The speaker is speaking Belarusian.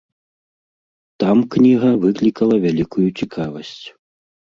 Там кніга выклікала вялікую цікавасць.